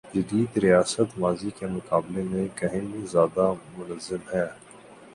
جدید ریاست ماضی کے مقابلے میں کہیں زیادہ منظم ہے۔